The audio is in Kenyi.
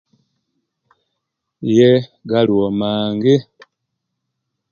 Iyee galiwo mangi